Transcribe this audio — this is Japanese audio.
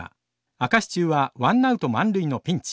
明石中はワンアウト満塁のピンチ。